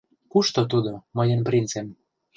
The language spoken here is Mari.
Кушто тудо, мыйын принцем?